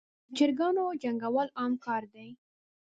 دچراګانو جنګول عام کار دی.